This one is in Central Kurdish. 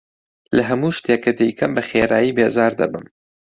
لە هەموو شتێک کە دەیکەم بەخێرایی بێزار دەبم.